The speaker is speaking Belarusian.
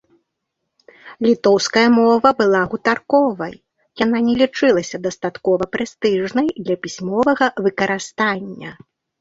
Літоўская мова была гутарковай, яна не лічылася дастаткова прэстыжнай для пісьмовага выкарыстання.